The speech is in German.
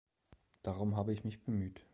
Darum habe ich mich bemüht.